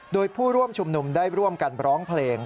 โดยผู้ร่วมชุมนุมได้ร่วมกันร้องเพลง